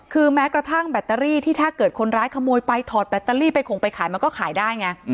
คือแม้กระทั่งแบตเตอรี่ที่ถ้าเกิดคนร้ายขโมยไปถอดแบตเตอรี่ไปของไปขายมันก็ขายได้ไง